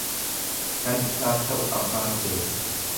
Kan isaaf ta'u abbaatu beeka.